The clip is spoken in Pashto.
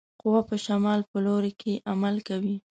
قوه په شمال په لوري کې عمل کوي.